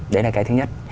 đấy là cái thứ nhất